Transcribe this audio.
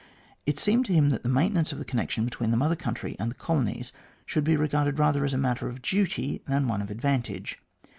It seemed to him that the maintenance of the connection between the Mother Country and the colonies should be regarded rather as a matter of duty than one of advantage.